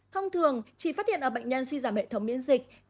thông thường chỉ phát hiện ở bệnh nhân suy giảm hệ thống miễn dịch